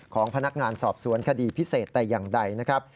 ของพนักงานสอบสวนคดีพิเศษแต่อย่างใดนะครับ